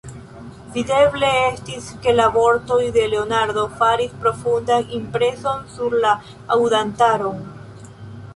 Videble estis, ke la vortoj de Leonardo faris profundan impreson sur la aŭdantaron.